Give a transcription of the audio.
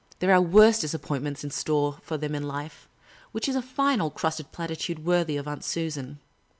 " There are worse disappointments in store for them in life — which is a fine old crusted platitude worthy of Aunt Susan.